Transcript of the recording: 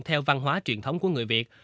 theo văn hóa truyền thống của người việt